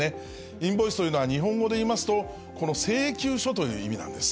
インボイスというのは日本語でいいますと、この請求書という意味なんです。